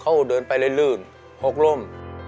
เขาเดินไปอะไรรืน๖ร่ม